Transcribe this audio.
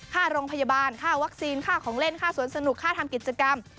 ค่าโรงพยาบาลค่าวัคซีนค่าของเล่นค่าสวนสนุกค่าทำกิจกรรม